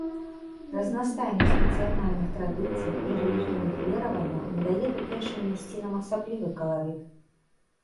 Разнастайнасць нацыянальных традыцый і рэлігійных вераванняў надае тутэйшым мясцінам асаблівы каларыт.